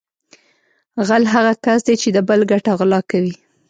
غل هغه کس دی چې د بل ګټه غلا کوي